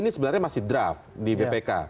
ini sebenarnya masih draft di bpk